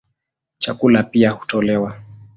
Chakula pia hutolewa.